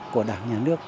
của đảng nhà nước